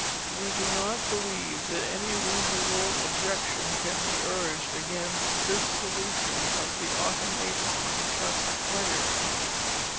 We do not believe that any reasonable objections can be urged against this solution of the Automaton Chess Player.